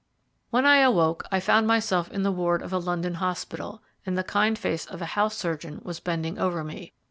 When I awoke I found myself in the ward of a London hospital, and the kind face of a house surgeon was bending over me.